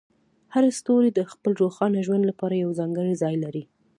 هر ستوری د خپل روښانه ژوند لپاره یو ځانګړی ځای لري.